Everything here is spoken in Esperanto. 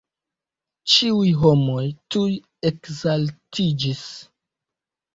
Ĉiuj homoj tuj ekzaltiĝis.